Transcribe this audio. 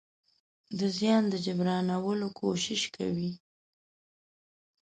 د زيان د جبرانولو کوشش کوي.